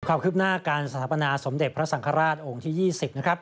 ความคืบหน้าการสถาปนาสมเด็จพระสังฆราชองค์ที่๒๐นะครับ